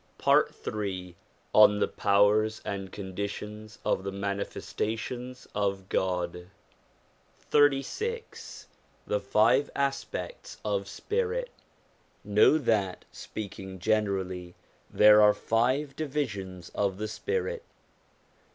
PART III ON THE POWERS AND CONDITIONS OF THE MANIFESTATIONS OF GOD XXXVI THE FIVE ASPECTS OF SPIRIT KNOW that, speaking generally, there are five divi sions of the spirit.